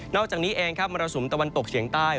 อกจากนี้เองครับมรสุมตะวันตกเฉียงใต้